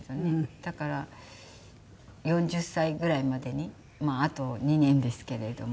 だから４０歳ぐらいまでにまああと２年ですけれども。